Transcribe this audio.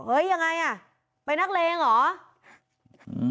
เฮ้ยยังไงอ่ะไปนักเลงหรอ